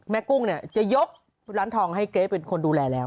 แม่กุ้งจะยกร้านทองให้เกรทย์เป็นคนดูแลแล้ว